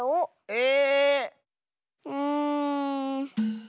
え⁉うん。